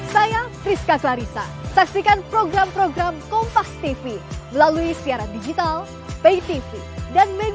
kalau nggak ada laporan itu bagaimana kalian mencatatkannya bareng itu tidak ada